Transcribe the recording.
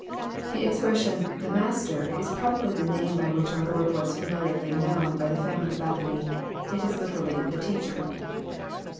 The expression, " the Master, is probably the name by which our Lord was familiarly known by the family at Bethany. It is literally, " the Teacher.'